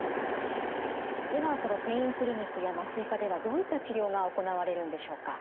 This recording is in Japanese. ではそのペインクリニックや麻酔科ではどういった治療が行われるんでしょうか。